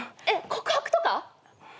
えっ告白とか？